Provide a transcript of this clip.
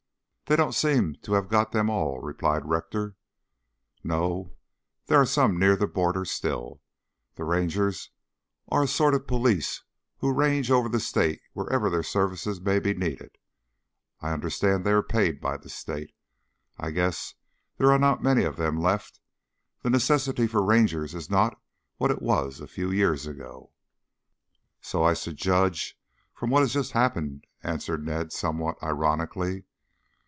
"They don't seem to have got them all," replied Rector. "No, there are some near the border still. The Rangers are a sort of police who range over the state wherever their services may be needed. I understand they are paid by the state. I guess there are not many of them left. The necessity for Rangers is not what it was a few years ago." "So I should judge from what has just happened," answered Ned somewhat ironically.